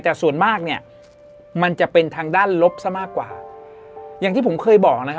แต่ส่วนมากเนี่ยมันจะเป็นทางด้านลบซะมากกว่าอย่างที่ผมเคยบอกนะครับ